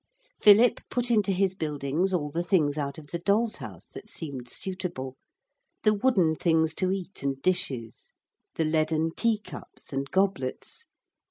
Philip put into his buildings all the things out of the doll's house that seemed suitable. The wooden things to eat and dishes. The leaden tea cups and goblets.